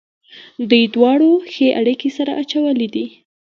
دوی دواړو ښې اړېکې سره اچولې دي.